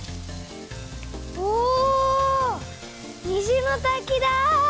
お「にじのたき」だ！